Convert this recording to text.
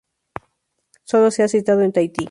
Solo se ha citado en Tahití.